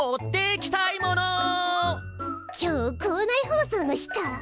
今日校内放送の日か。